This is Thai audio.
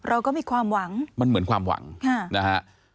เราก็มีความหวังมันเหมือนความหวังนะฮะ